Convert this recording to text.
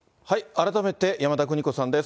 改めて山田邦子さんです。